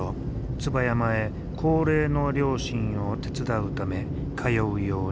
椿山へ高齢の両親を手伝うため通うようになった。